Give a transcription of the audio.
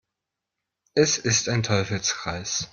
Es ist ein Teufelskreis.